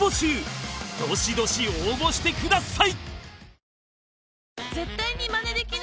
どしどし応募してください！